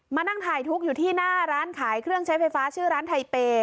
มานั่งถ่ายทุกข์อยู่ที่หน้าร้านขายเครื่องใช้ไฟฟ้าชื่อร้านไทเปย์